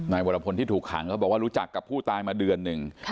วรพลที่ถูกขังเขาบอกว่ารู้จักกับผู้ตายมาเดือนหนึ่ง